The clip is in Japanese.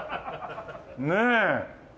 ねえ？